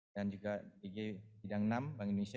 dan juga dg bidang enam bank indonesia